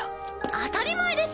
当たり前です！